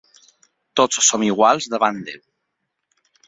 Tots som iguals davant Déu.